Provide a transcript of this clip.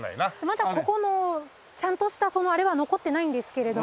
まだここのちゃんとしたあれは残ってないんですけれども。